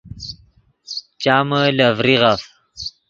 چامے لے ڤریغف